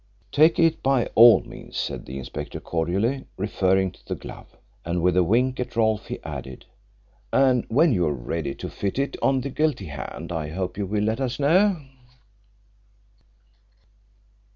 "Take it by all means," said the inspector cordially, referring to the glove. And with a wink at Rolfe he added, "And when you are ready to fit it on the guilty hand I hope you will let us know."